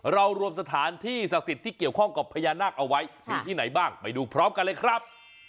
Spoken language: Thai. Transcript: รวมสถานที่ศักดิ์สิทธิ์ที่เกี่ยวข้องกับพญานาคเอาไว้มีที่ไหนบ้างไปดูพร้อมกันเลยครับ